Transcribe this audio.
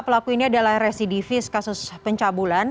pelaku ini adalah residivis kasus pencabulan